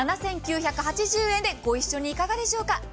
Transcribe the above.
７９８０円でご一緒にいかがでしょうか。